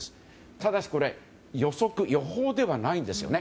ただし、これは予測、予報ではないんですね。